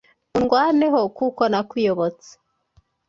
undwaneho kuko nakuyobotse